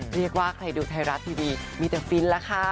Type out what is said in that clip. เรียกว่าใครดูไทยรัสทีวีมีเจอฟินซ์ล่ะค่ะ